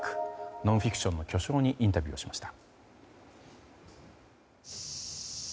ノンフィクションの巨匠にインタビューしました。